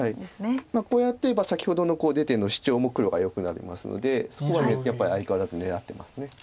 こうやってれば先ほどの出てのシチョウも黒がよくなりますのでそこはやっぱり相変わらず狙ってます。